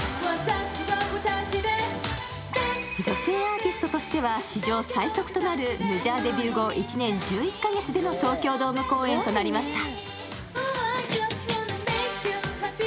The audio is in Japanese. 女性アーティストとしては史上最速となるメジャーデビュー後、１年１１か月での東京ドーム公演となりました。